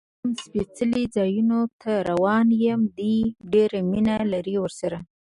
زه چې کوم سپېڅلو ځایونو ته روان یم، دې ډېر مینه لري ورسره.